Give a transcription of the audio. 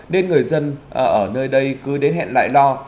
nên người dân ở nơi đây cứ đến hẹn lại lo